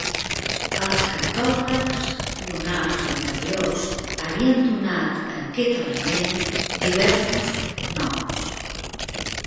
Els cartògrafs lunars anteriors havien donat a aquest element diversos noms.